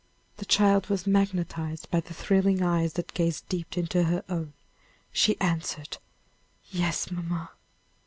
The child was magnetized by the thrilling eyes that gazed deep into her own. She answered: "Yes, mamma."